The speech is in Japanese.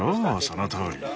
そのとおり。